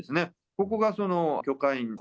ここが許家印恒